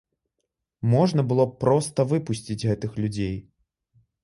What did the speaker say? Можна было б проста выпусціць гэтых людзей.